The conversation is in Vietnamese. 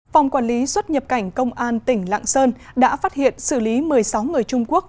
phòng quản lý xuất nhập cảnh công an tỉnh lạng sơn đã phát hiện xử lý một mươi sáu người trung quốc